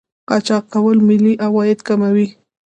قاچاق کول ملي عواید کموي.